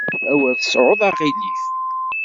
Awer tesɛuḍ aɣilif.